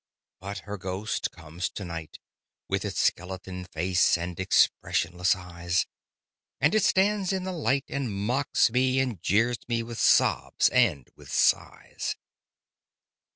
But her ghost comes to night, With its skeleton face and expressionless eyes, And it stands in the light, And mocks me, and jeers me with sobs and with sighs.